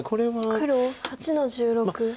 黒８の十六。